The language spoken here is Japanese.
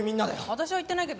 私は言ってないけどね。